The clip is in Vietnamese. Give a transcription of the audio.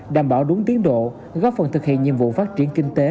đảm bảo đúng tiến độ góp phần thực hiện nhiệm vụ phát triển kinh tế